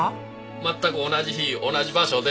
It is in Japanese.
全く同じ日同じ場所で。